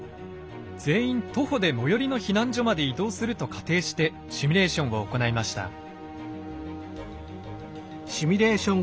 全員徒歩で最寄りの避難所まで移動すると仮定してシミュレーションを行いました。